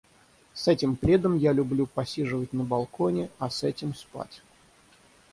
С этим пледом я люблю посиживать на балконе, а с этим — спать.